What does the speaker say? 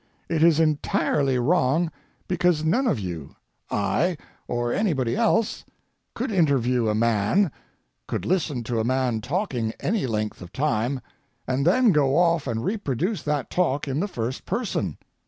It is entirely wrong because none of you, I, or anybody else, could interview a man—could listen to a man talking any length of time and then go off and reproduce that talk in the first person.